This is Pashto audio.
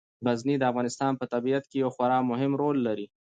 غزني د افغانستان په طبیعت کې یو خورا مهم رول لري.